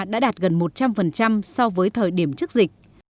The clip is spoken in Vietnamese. đã đạt gần một trăm linh so với thời điểm trước dịch